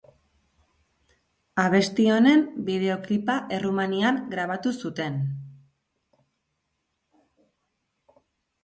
Abesti honen bideoklipa Errumanian grabatu zuten.